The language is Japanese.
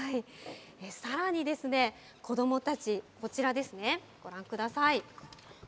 さらにですね、子どもたち、こちらですね、ご覧ください。